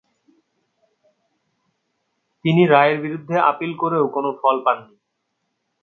তিনি রায়ের বিরুদ্ধে আপিল করেও কোন ফল পাননি।